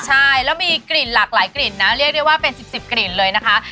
ใช่แล้วมีกลิ่นหลากหลายกลิ่นนะเรียกได้ว่าเป็น๑๐กลิ่นเลยนะคะ